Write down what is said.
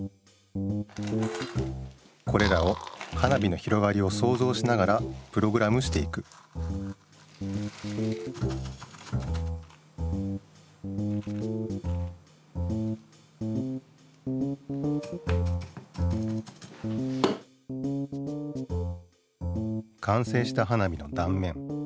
これらを花火の広がりをそうぞうしながらプログラムしていくかんせいした花火のだんめん。